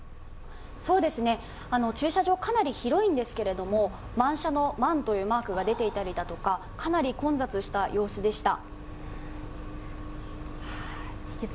駐車場かなり広いんですけど満車の「満」というマークが出ていたりとかかなり混雑した様子でした。